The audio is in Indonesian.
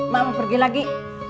mak mau pergi lagi